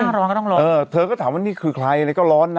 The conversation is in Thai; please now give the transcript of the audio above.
ร้อนก็ต้องร้อนเออเธอก็ถามว่านี่คือใครอะไรก็ร้อนนะ